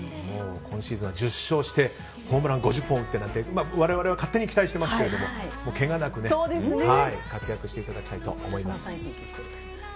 今シーズンは１０勝してホームラン５０本打ってなんて我々は勝手に期待してますけどもけがなく活躍していただきたいと思います。